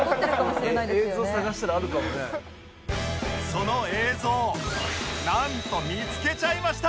その映像なんと見つけちゃいました！